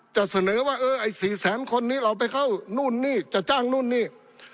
จะเสนอว่าเออไอ้๔แสนคนนี้เราไปเข้านู่นนี่จะจ้างนู่นนี่